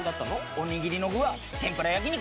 おにぎりの具は天ぷら焼き肉。